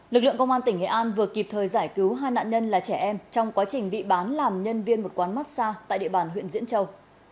lực lượng công an tỉnh nghệ an vừa kịp thời giải cứu hai nạn nhân là trẻ em trong quá trình bị bán làm nhân viên một quán massage tại địa bàn huyện diễn châu